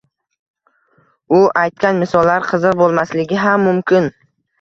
U aytgan misollar qiziq boʻlmasligi ham mumkin